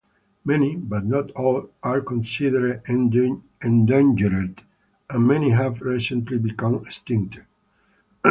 Many, but not all, are considered endangered, and many have recently become extinct.